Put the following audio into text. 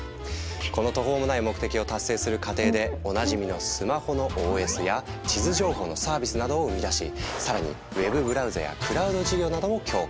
この途方もない目的を達成する過程でおなじみのスマホのＯＳや地図情報のサービスなどを生み出し更にウェブブラウザやクラウド事業なども強化。